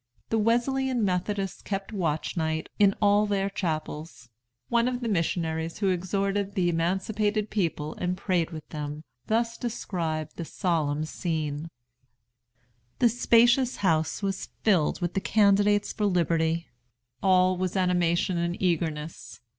The Wesleyan Methodists kept watch night in all their chapels. One of the missionaries who exhorted the emancipated people and prayed with them thus described the solemn scene: "The spacious house was filled with the candidates for liberty. All was animation and eagerness.